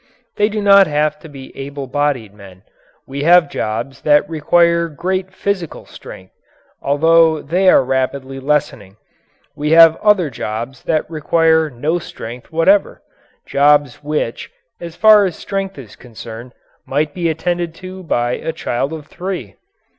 They do not have to be able bodied men. We have jobs that require great physical strength although they are rapidly lessening; we have other jobs that require no strength whatsoever jobs which, as far as strength is concerned, might be attended to by a child of three.